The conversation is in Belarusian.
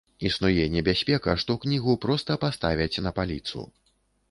Існуе небяспека, што кнігу проста паставяць на паліцу?